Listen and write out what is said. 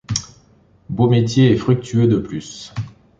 Beau métier, et fructueux, de plus !